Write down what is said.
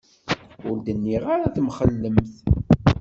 Ur d-nniɣ ara temxellemt.